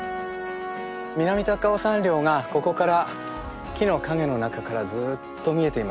南高尾山稜がここから木の影の中からずっと見えています。